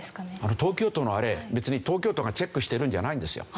東京都のあれ別に東京都がチェックしてるんじゃないんですよ。